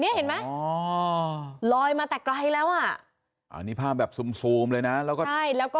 นี่เห็นไหมอ๋อลอยมาแต่ไกลแล้วอ่ะอ่านี่ภาพแบบซูมซูมเลยนะแล้วก็